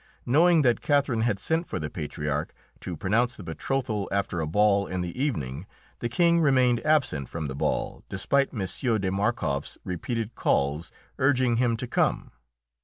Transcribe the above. Knowing that Catherine had sent for the patriarch to pronounce the betrothal after a ball in the evening, the King remained absent from the ball despite M. de Markoff's repeated calls urging him to come.